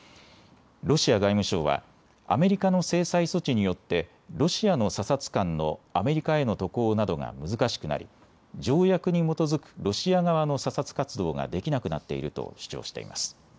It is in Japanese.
ロシア外務省はアメリカの制裁措置によってロシアの査察官のアメリカへの渡航などが難しくなり条約に基づくロシア側の査察活動ができなくなっていると主張しています。